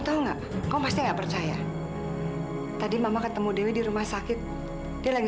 tahu enggak kok pasti enggak percaya tadi mama ketemu dewi di rumah sakit dia lagi